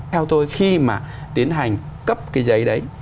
theo tôi khi mà tiến hành cấp cái giấy đấy